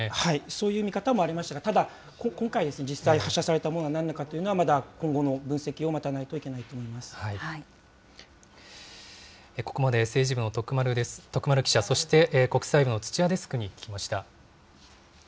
そういう見方もありましたが、ただ、今回ですね、実際発射されたものが何なのかというのは、まだ今後の分析を待たないといけなここまで、政治部の徳丸記者、そして国際部の土屋デスクに聞きました。